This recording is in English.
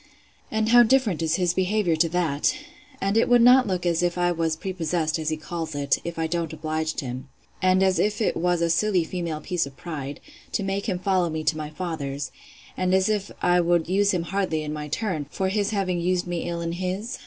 And how different is his behaviour to that! And would it not look as if I was prepossessed, as he calls it, if I don't oblige him; and as if it was a silly female piece of pride, to make him follow me to my father's; and as if I would use him hardly in my turn, for his having used me ill in his?